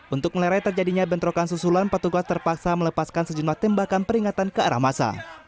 untuk melerai terjadinya bentrokan susulan petugas terpaksa melepaskan sejumlah tembakan peringatan ke arah masa